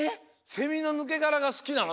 セミのぬけがらがすきなの？